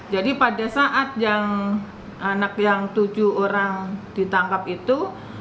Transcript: jadi pada saat yang anak yang tujuh orang ditangkap itu